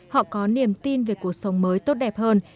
họ có niềm tin về cuộc sống mới tốt đẹp hơn